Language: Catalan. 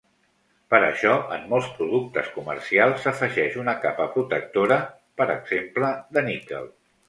Per això en molts productes comercials s'afegeix una capa protectora, per exemple de níquel.